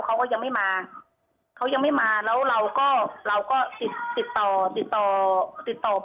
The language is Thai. เขาก็ยังไม่มาเขายังไม่มาแล้วเราก็ติดต่อ